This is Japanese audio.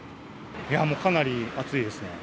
もう、かなり暑いですね。